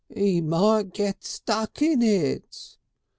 "He might git stuck in it."